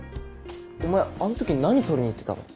お前あん時何取りに行ってたの？